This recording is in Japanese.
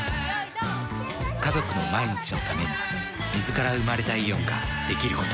家族の毎日のために水から生まれたイオンができること。